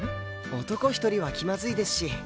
男一人は気まずいですし。